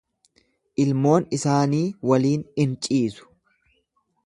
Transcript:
Ilmoon isaanii waliin in ciisu.